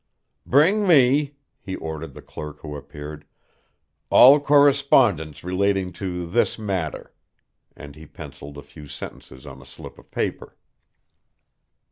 "Bring me," he ordered the clerk who appeared, "all correspondence relating to this matter," and he penciled a few sentences on a slip of paper.